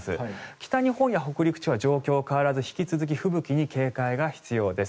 北日本や北陸地方は状況が変わらず引き続き吹雪に警戒が必要です。